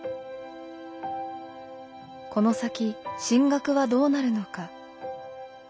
この先進学はどうなるのか？